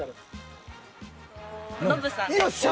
よっしゃ！